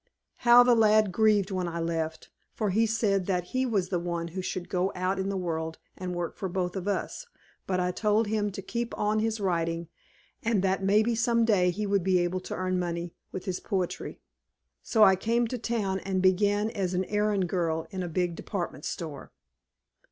How the lad grieved when I left, for he said that he was the one who should go out in the world and work for both of us, but I told him to keep on with his writing and that maybe, some day, he would be able to earn money with his poetry. "So I came to town and began as an errand girl in a big department store.